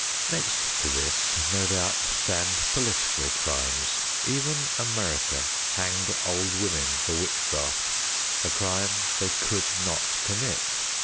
Next to this no doubt stand political crimes. Even America hanged old women for witchcraft, a crime they could not commit.